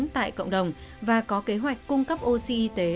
tại cộng đồng và có kế hoạch cung cấp oxy y tế